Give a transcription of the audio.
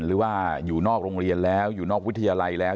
หรือว่าอยู่นอกโรงเรียนแล้วอยู่นอกวิทยาลัยแล้ว